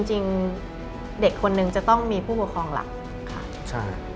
จริงเด็กคนหนึ่งจะต้องมีผู้ปกครองหลัก